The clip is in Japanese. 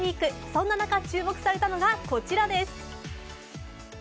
そんな中、注目されたのがこちらです。